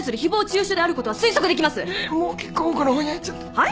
はい！？